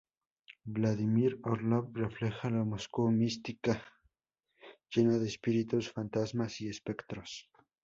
Vladímir Orlov refleja la Moscú mística, llena de espíritus, fantasmas y espectros.